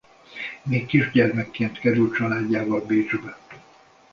Még kisgyermekként került családjával Bécsbe.